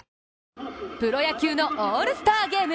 プロ野球のオールスターゲーム。